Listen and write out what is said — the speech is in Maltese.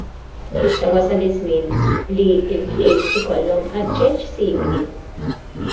Issa wasal iż-żmien li l-klieb ikollhom aġġeġġ simili.